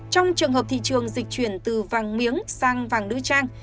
trong trường hợp thị trường dịch chuyển từ vàng miếng sang vàng nữ trang